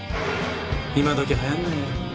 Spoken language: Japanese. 今どきはやんないよ